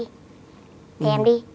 thì em đi